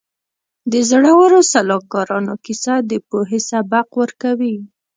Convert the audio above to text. د زړورو سلاکارانو کیسه د پوهې سبق ورکوي.